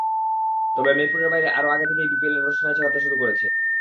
তবে মিরপুরের বাইরে আরও আগে থেকেই বিপিএলের রোশনাই ছাড়াতে শুরু করেছে।